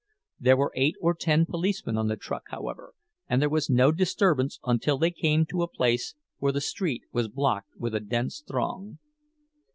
There were eight or ten policemen on the truck, however, and there was no disturbance until they came to a place where the street was blocked with a dense throng.